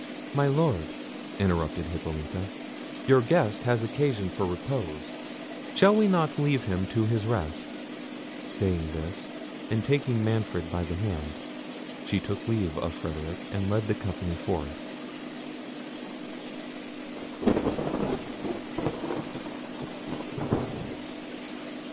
"My Lord," interrupted Hippolita, "your guest has occasion for repose: shall we not leave him to his rest?" Saying this, and taking Manfred by the hand, she took leave of Frederic, and led the company forth.